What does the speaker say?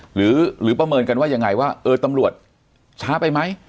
หรือประเมินกันว่ายังไงว่าเออตำรวจช้าไปไหม